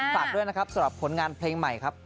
ฝากด้วยนะครับสำหรับผลงานเพลงใหม่ครับ